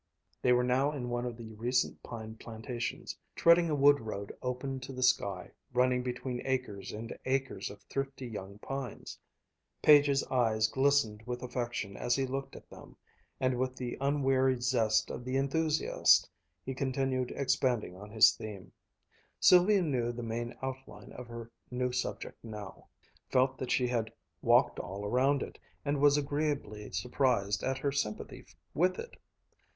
They were now in one of the recent pine plantations, treading a wood road open to the sky, running between acres and acres of thrifty young pines. Page's eyes glistened with affection as he looked at them, and with the unwearied zest of the enthusiast he continued expanding on his theme. Sylvia knew the main outline of her new subject now, felt that she had walked all around it, and was agreeably surprised at her sympathy with it.